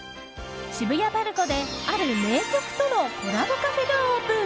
渋谷ＰＡＲＣＯで、ある名曲とのコラボカフェがオープン。